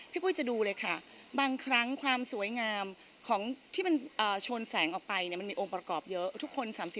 พี่ปุ้ยจะดูเลยค่ะบางครั้งความสวยงามที่มันโฉลแสงออกไปมีโอมประกอบเยอะ